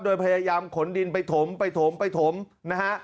โดยพยายามขนดินไปถมไปถมไปถมนะฮะ